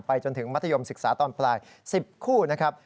จนถึงมัธยมศึกษาตอนปลาย๑๐คู่นะครับ